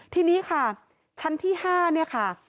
ทีนี้ค่ะชั้นที่๕เนี่ยค่ะ